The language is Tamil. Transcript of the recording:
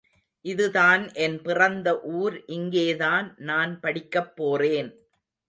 இதுதான் என் பிறந்த ஊர் இங்கேதான் நான் படிக்கப் போறேன்.